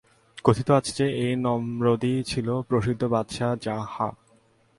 কথিত আছে যে, এই নমরূদই ছিল প্রসিদ্ধ বাদশাহ যাহ্হাক।